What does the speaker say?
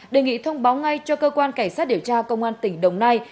đề nghị thông báo ngay cho cơ quan cảnh sát điều tra công an tỉnh đồng nai